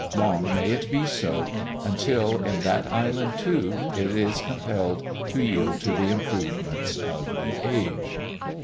Long may it be so, until, in that island, too, it is compelled to yield to the improvements of the age!